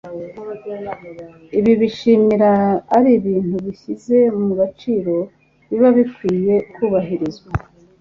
ibi bishimira ari ibintu bishyize mu gaciro biba bikwiriye kubahirizwa …